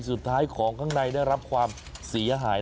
สุดท้ายของข้างในได้รับความเสียหาย